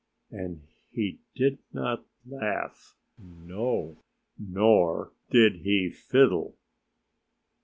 And he did not laugh. No! Nor did he fiddle!